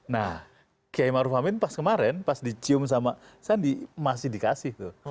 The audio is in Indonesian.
nah kiai maruf amin pas kemarin pas dicium sama sandi masih dikasih tuh